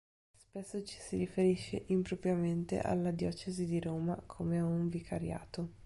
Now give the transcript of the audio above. Spesso ci si riferisce impropriamente alla diocesi di Roma come a un vicariato.